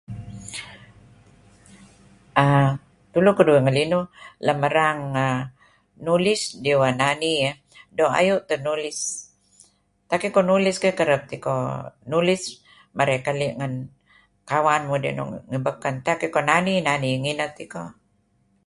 Aah tulu keduih ngelinuh lem erang nulis diweh nani doo' ayu' teh nulis tak iko nulis kerab teh iko nulis marey keli' ngen kawan mudih ngi baken. Tak iko nani nani may ngineh tiko.